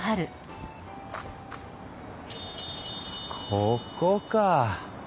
ここか。